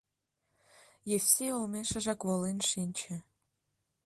Евсей олмешыжак волен шинче.